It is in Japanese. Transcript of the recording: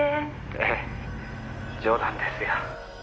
「ええ冗談ですよ。